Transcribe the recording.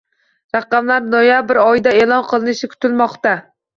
Raqamlar noyabr oyida e'lon qilinishi kutilmoqda